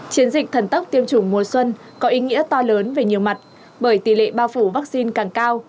chiến dịch thần tốc tiêm chủng mùa xuân có ý nghĩa to lớn về nhiều mặt bởi tỷ lệ bao phủ vaccine càng cao